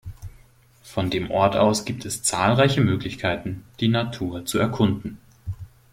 Von dem Ort aus gibt es zahlreiche Möglichkeiten, die Natur zu erkunden.